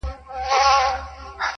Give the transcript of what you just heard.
په جونګړو به شور ګډ د پښتونخوا سي-